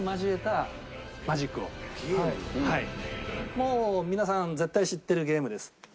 もう皆さん絶対知ってるゲームです。